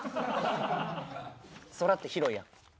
空って広いやん。